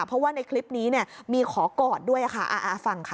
เพราะว่าในคลิปนี้เนี่ยมีขอกอดด้วยค่ะฟังค่ะ